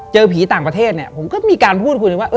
เจอผีต่างประเทศผมก็มีการพูดคุยถึงว่า